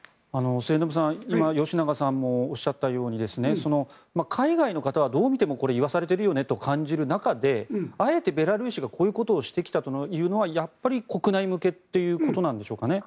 末延さん、今吉永さんもおっしゃったように海外の方はどう見ても、これ言わされてるよねと感じる中であえてベラルーシがこういうことをしてきたのはやっぱり国内向けということなんでしょうかね。